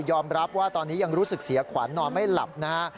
รับว่าตอนนี้ยังรู้สึกเสียขวัญนอนไม่หลับนะฮะ